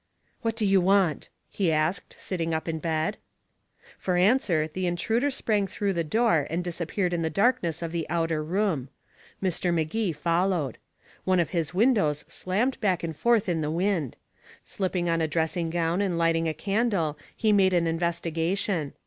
"What do you want?" he asked, sitting up in bed. For answer, the intruder sprang through the door and disappeared in the darkness of the outer room. Mr. Magee followed. One of his windows slammed back and forth in the wind. Slipping on a dressing gown and lighting a candle, he made an investigation.